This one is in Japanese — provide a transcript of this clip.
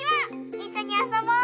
いっしょにあそぼう！